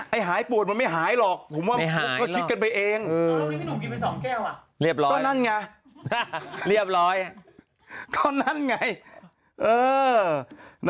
ไอ้หายปวดไม่หายหรอกผมว่ามันคือก็คิดกันไปเอง